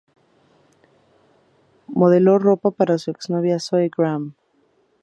Modeló ropa de su ex-novia Zoe Graham.